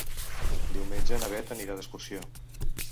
Diumenge na Bet anirà d'excursió.